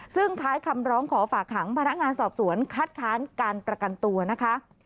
ซึ่งท้ายคำร้องขอฝากขังพนักงานสอบสวนคัดค้านการประกันตัวนะคะ